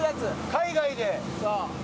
海外で。